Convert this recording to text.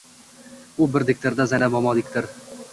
— U bir diktor-da, Zaynab momo, dikgor.